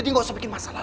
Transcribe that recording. aku cuma pengen tahu aja